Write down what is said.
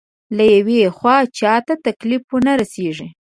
له يوې خوا چاته تکليف ونه رسېږي.